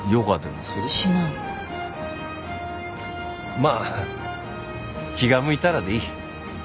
まあ気が向いたらでいい。